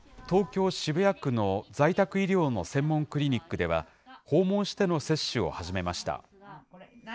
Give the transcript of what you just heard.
東京・渋谷区の在宅医療の専門クリニックでは、訪問しての接種を始めました。